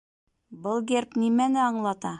Был герб нимәне аңлата?